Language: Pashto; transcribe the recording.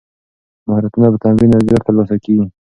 مهارتونه په تمرین او زیار ترلاسه کیږي.